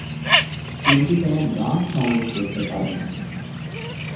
কিন্তু তেমন রান সংগ্রহ করতে পারেননি।